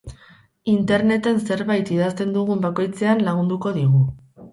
Interneten zerbait idazten dugun bakoitzean lagunduko digu.